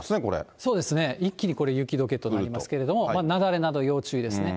そうですね、一気にこれ、雪どけとなりますけれども、雪崩など要注意ですね。